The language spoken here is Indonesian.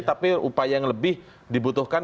tapi upaya yang lebih dibutuhkan